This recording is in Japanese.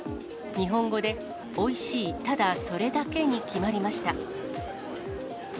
日本語で、おいしい・ただそれだけに決まりました。